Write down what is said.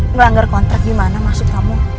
ngelanggar kontrak di mana maksud kamu